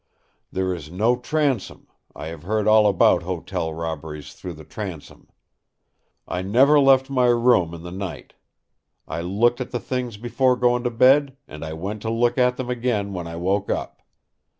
There is no transom; I have heard all about hotel robberies through the transom. I never left my room in the night. I looked at the things before going to bed; and I went to look at them again when I woke up.